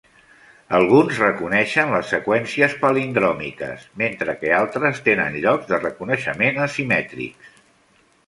Alguns reconeixen les seqüències palindròmiques mentre que altres tenen llocs de reconeixement asimètrics.